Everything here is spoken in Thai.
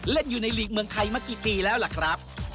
เล่นอยู่ในหลีกเมืองไทยมากี่ปีแล้วล่ะครับ